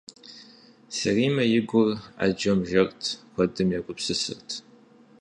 Сэримэ и гур Ӏэджэм жэрт, куэдым егупсысырт.